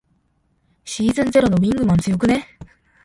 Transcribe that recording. シーズンゼロのウィングマン強くね。